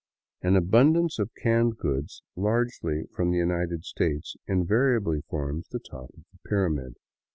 An abundance of canned goods, largely from the United States, invariably forms the top of the pyramid.